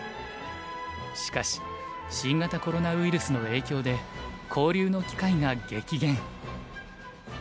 しかし新型コロナウイルスの影響で交流の機会が激減。